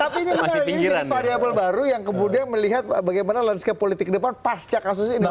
tapi ini menarik ini jadi variable baru yang kemudian melihat bagaimana landscape politik ke depan pasca kasus ini